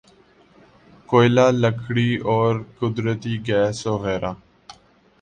کوئلہ لکڑی اور قدرتی گیس وغیرہ